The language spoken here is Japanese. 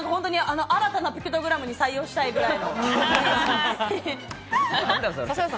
新たなピクトグラムに採用したいくらい。